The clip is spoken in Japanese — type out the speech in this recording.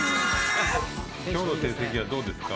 きょうの成績はどうですか？